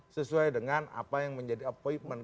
sesuai dengan apa yang menjadi appointment